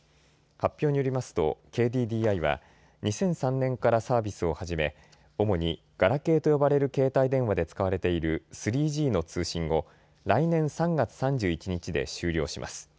発表によりますとＫＤＤＩは２００３年からサービスを始め主にガラケーと呼ばれる携帯電話で使われている３Ｇの通信を来年３月３１日で終了します。